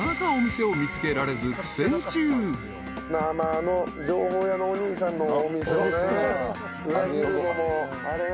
あの情報屋のお兄さんのお店をね。